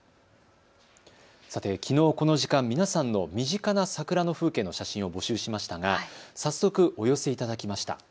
さて、きのうこの時間皆さんの身近な桜の風景の写真を募集しましたが早速お寄せいただきました。